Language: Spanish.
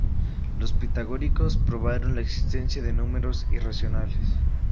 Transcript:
Los Pitagóricos probaron la existencia de números irracionales.